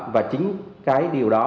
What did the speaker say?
và chính cái điều đó